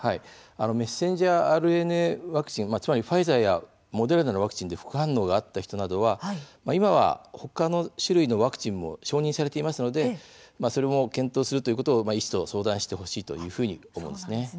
メッセンジャーＲＮＡワクチン、つまりファイザーやモデルナのワクチンで副反応があった人などは、今はほかの種類のワクチンも承認されていますので、それも検討するということを医師と相談してほしいというふうに思うんですね。